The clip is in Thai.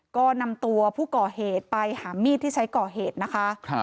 ก็นำตัวผู้ก่อเหตุไปหามีดที่ใช้ก่อเหตุนะคะ